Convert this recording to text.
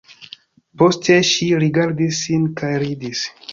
Poste ŝi rigardis sin kaj ridis.